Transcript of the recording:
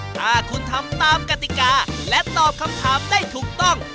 ถ้าคุณทำตามกติกาและตอบคำถามได้ถูกต้อง